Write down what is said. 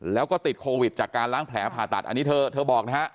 แล้วก็ติดโควิดจากการล้างแผลผ่าตัดอันนี้เธอเธอบอกนะฮะ